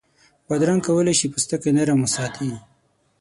بادرنګ کولای شي پوستکی نرم وساتي.